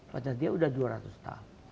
karena dia sudah dua ratus tahun